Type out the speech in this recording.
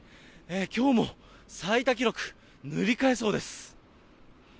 きょうも最多記録、塗り替えそうです。